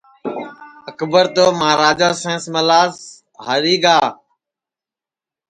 اکبر تو مہاراجا سینس ملاس ہاری گا